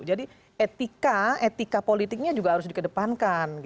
jadi etika etika politiknya juga harus dikedepankan